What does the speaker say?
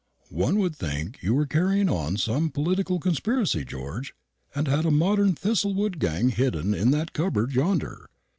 One would think you were carrying on some political conspiracy, George, and had a modern Thistlewood gang hidden in that cupboard yonder.